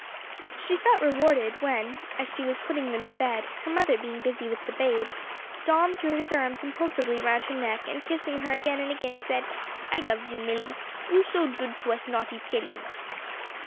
She felt rewarded when, as she was putting them to bed, her mother being busy with the babe, Don threw his arms impulsively round her neck and kissing her again and again, said "I loves you, Milly; you so dood to us naughty chillens."